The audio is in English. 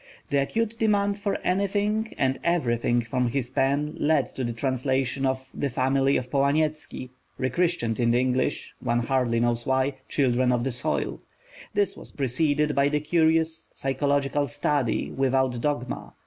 The acute demand for anything and everything from his pen led to the translation of The Family of Polanyetski, rechristened in English (one hardly knows why) Children of the Soil; this was preceded by the curious psychological study, Without Dogma.